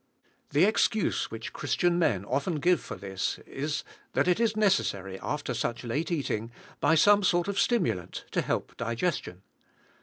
The excuse which Christian men often give for this is, that it is necessary, after such late eating, by some sort of stimulant to help digestion.